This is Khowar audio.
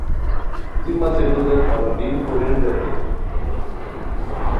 دی متے لو دیت اوا بیم کورین؟ ریتائے